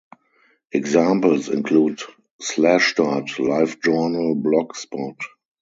Examples include Slashdot, LiveJournal, BlogSpot.